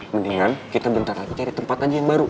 mendingan kita bentar lagi cari tempat aja yang baru